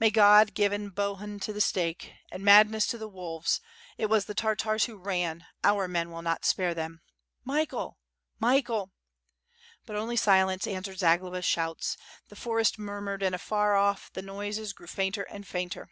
May God given Bohun to the stake; and madness to the wolves; it was the Tartars who ran, our men will not spare them. Michael! Michael!" But only silence answered to Zagloba's shouts; the forest murmured, and afar off, the noises grew fainter and fainter.